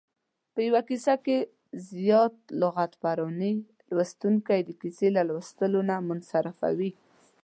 په یوه کیسه کې زیاته لغت پراني لوستونکی د کیسې له لوستلو نه منصرفوي.